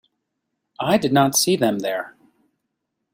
I did not see them there.